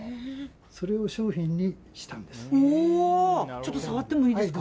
ちょっと触ってもいいですか？